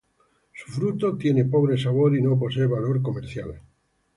Su fruto tiene pobre sabor, y no posee valor comercial.